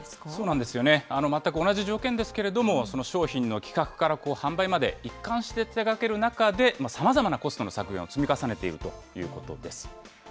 まったく同じ条件ですけれども、その商品の企画から販売まで一貫して手がける中で、さまざまなコストの削減を積み重ねているということです。